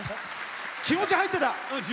気持ち入ってた。